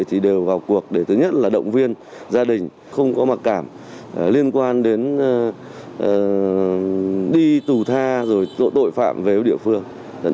thì đều vào cuộc để thứ nhất là động viên gia đình không có mặc cảm liên quan đến đi tù tha rồi tội phạm về với địa phương